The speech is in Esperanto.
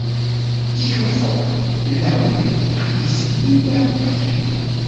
Iru for! laŭte kriis mia patrino.